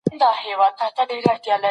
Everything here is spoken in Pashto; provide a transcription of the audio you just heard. که انلاین ټولګي وي، نو چاپېریال ارام وي.